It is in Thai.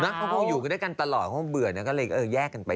แล้วเขาก็อยู่กันได้กันตลอดเขาก็เบื่อแล้วก็เลยแยกกันไป